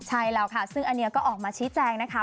ใช่แล้วค่ะซึ่งอันนี้ก็ออกมาชี้แจงนะคะ